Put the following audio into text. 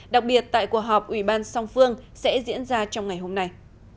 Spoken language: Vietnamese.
đặc biệt tại cuộc họp ủy ban song phương sẽ diễn ra trong ngày hôm nay